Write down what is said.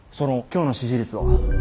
今日の支持率は？